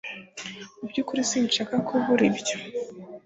Mu byukuri sinshaka kubura ibyo